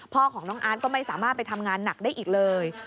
พ่อของน้องอาร์ตก็ไม่สามารถไปทำงานหนักได้อีกเลย